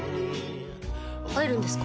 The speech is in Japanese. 「入るんですか？」